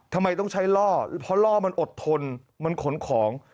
ทำไมต้องใช้ล่อเพราะล่อมันอดทนมันขนของ